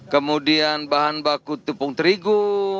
kemudian bahan baku tepung terigu